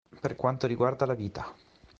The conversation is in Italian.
Per quanto riguarda la vita.